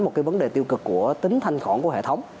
một vấn đề tiêu cực của tính thanh khỏng của hệ thống